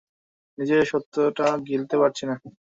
নিজেই সত্যটা গিলতে পারছি না।